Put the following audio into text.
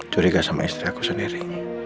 curiga sama istri aku sendiri